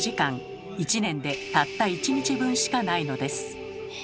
１年でたった１日分しかないのです。